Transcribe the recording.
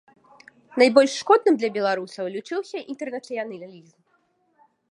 Найбольш шкодным для беларусаў лічыўся інтэрнацыяналізм.